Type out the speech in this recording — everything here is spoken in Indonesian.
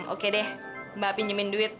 oke deh mbak pinjemin duit